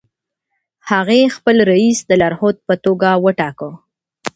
هغې خپل رییس د لارښود په توګه وټاکه.